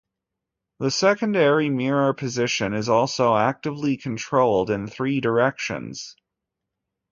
The secondary mirror position is also actively controlled in three directions.